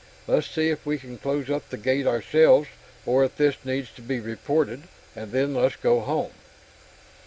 Let's see if we can close up the gate ourselves or if this needs to be reported. And then let's go home."